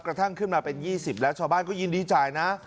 กระทั่งขึ้นมาเป็น๒๐แล้วชาวบ้านก็ยินดีจ่ายนะ